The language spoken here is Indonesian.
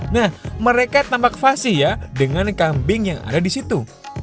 nah mereka tampak fasih ya dengan kambing yang ada di situ